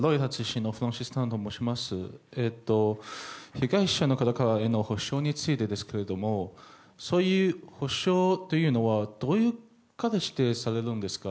被害者の方への補償についてですけれどもそういう補償というのはどういう形でされるんですか。